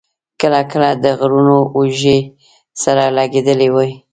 کله کله د غرونو اوږې سره لګېدلې وې.